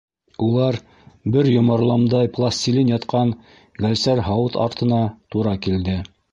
Улар бер йомарламдай пластилин ятҡан гәлсәр һауыт артына тура килде.